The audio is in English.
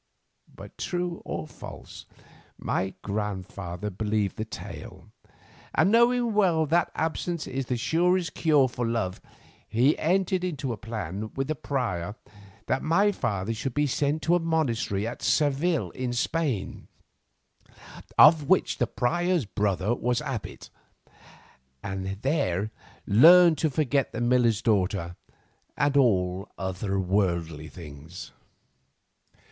But true or false, my grandfather believed the tale, and knowing well that absence is the surest cure for love, he entered into a plan with the prior that my father should be sent to a monastery at Seville in Spain, of which the prior's brother was abbot, and there learn to forget the miller's daughter and all other worldly things.